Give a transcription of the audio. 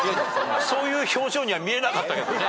そういう表情には見えなかったけどね。